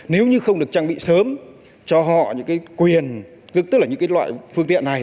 nếu như không được trang bị sớm cho họ những quyền tức là những loại phương tiện này